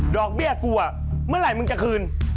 อกเบี้ยกูอ่ะเมื่อไหร่มึงจะคืน